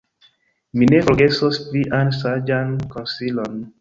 Mi ne forgesos vian saĝan konsilon.